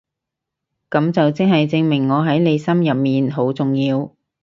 噉即係證明我喺你心入面好重要